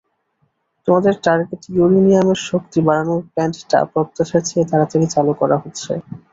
তোমাদের টার্গেট ইউরেনিয়ামের শক্তি বাড়ানোর প্ল্যান্টটা প্রত্যাশার চেয়ে তাড়াতাড়ি চালু করা হচ্ছে।